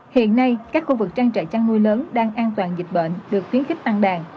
hiện nay các khu vực trang trại chăn nuôi lớn đang an toàn dịch bệnh được khuyến khích tăng đàn